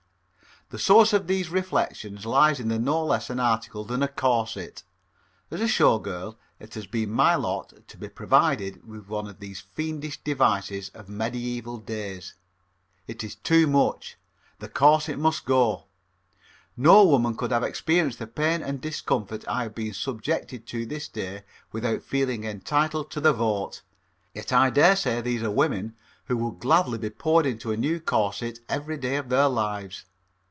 The source of these reflections lies in no less an article than a corset. As a Show Girl, it has been my lot to be provided with one of these fiendish devices of medieval days. It is too much. The corset must go. No woman could have experienced the pain and discomfort I have been subjected to this day without feeling entitled to the vote. Yet I dare say there are women who would gladly be poured into a new corset every day of their lives.